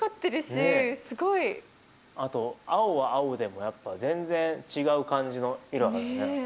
あと青は青でもやっぱ全然違う感じの色だからね。